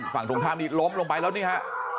ฝั่งตรงข้ามนี้ล้มลงไปแล้วนี่ฮะ